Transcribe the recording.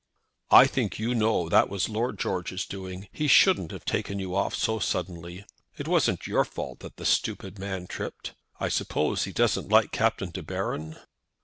"I think, you know, that was Lord George's doing. He shouldn't have taken you off so suddenly. It wasn't your fault that the stupid man tripped. I suppose he doesn't like Captain De Baron?"